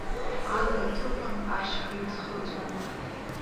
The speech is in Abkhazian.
Ага аҭыԥан ашьха иӡхыҵуа…